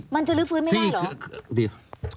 มันจะลื้อฟื้นไม่ได้เหรอ